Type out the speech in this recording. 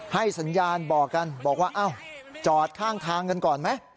สัญญาณบอกกันบอกว่าอ้าวจอดข้างทางกันก่อนไหม